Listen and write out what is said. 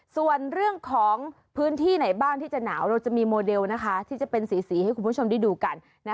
ส่วนเรื่องของพื้นที่ไหนบ้างที่จะหนาวเราจะมีโมเดลที่จะเป็นสีให้คุณผู้ชมได้ดูกัน